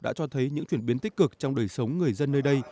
đã cho thấy những chuyển biến tích cực trong đời sống người dân nơi đây